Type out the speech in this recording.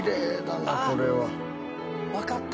分かった！